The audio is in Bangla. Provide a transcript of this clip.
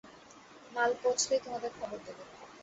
মাল পৌঁছলেই তোমাদের খবর দেব।